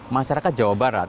masyarakat jawa barat